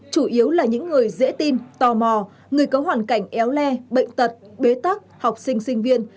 chủ yếu là những người dễ tin tò mò người có hoàn cảnh éo le bệnh tật bế tắc học sinh sinh viên